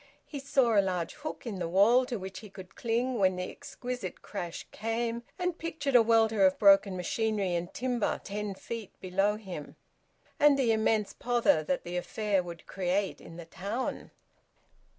He saw a large hook in the wall to which he could cling when the exquisite crash came, and pictured a welter of broken machinery and timber ten feet below him, and the immense pother that the affair would create in the town.